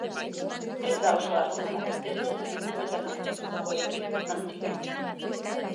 Ez da oso arrunta, ez du inguruetan aurkitutakoaren antzik.